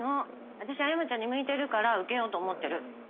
私は山ちゃんに向いてるから受けようと思ってる。